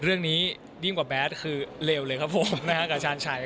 ยิ่งกว่าแบทคือเลวเลยครับผมนะฮะกับชาญชัย